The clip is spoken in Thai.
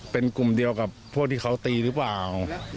เป็นกลุ่มเดียวกับพวกที่เขาตีหรือเปล่า